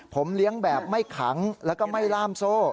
ผมเลี้ยงแบบไม่ขังแล้วก็ไม่ล่ามโซ่